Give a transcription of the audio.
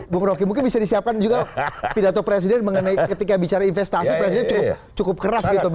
bung roky mungkin bisa disiapkan juga pidato presiden mengenai ketika bicara investasi presiden cukup keras gitu